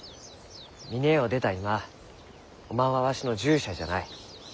峰屋を出た今おまんはわしの従者じゃない。